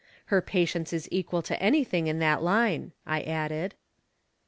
" Her patience is equal to any thing in that line," I added.